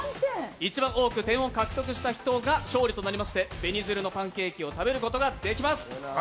一番多く点を獲得した人が勝利となりまして紅鶴のパンケーキを食べることができます。